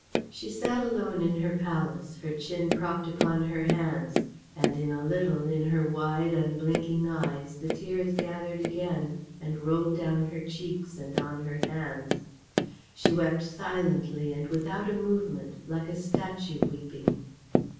She sat alone in her palace, her chin propped upon her hands, and in a little in her wide unblinking eyes the tears gathered again and rolled down her cheeks and on her hands. She wept silently and without a movement, like a statue weeping.